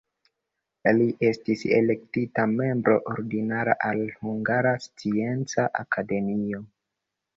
Li estis elektita membro ordinara al Hungara Scienca Akademio.